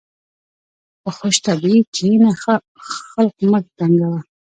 په خوشطبعي کښېنه، خلق مه تنګوه.